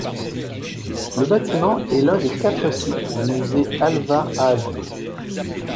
Le bâtiment est l'un des quatre sites du musée Alvar Aalto.